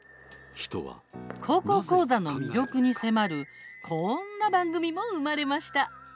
「高校講座」の魅力に迫るこんな番組も生まれました。